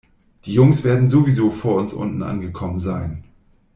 Die Jungs werden sowieso vor uns unten angekommen sein.